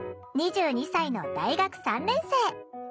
２２歳の大学３年生。